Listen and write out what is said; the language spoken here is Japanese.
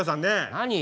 何？